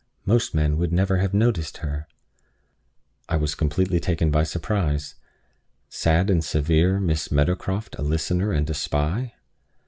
Most men would never have noticed her." I was completely taken by surprise. Sad and severe Miss Meadowcroft a listener and a spy!